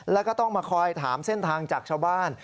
แล้วก็ต้องมาคอยถามเส้นทางจากชาวบ้าน